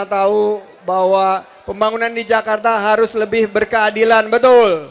kita tahu bahwa pembangunan di jakarta harus lebih berkeadilan betul